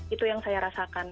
itu yang saya rasakan